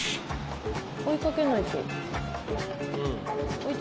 追いかけないと。